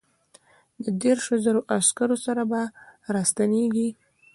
د دیرشو زرو عسکرو سره به را ستنېږي.